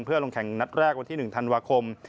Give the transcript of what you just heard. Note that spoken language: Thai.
เพื่อลงแข่งนัดแรกวันที่๑ธันวาคม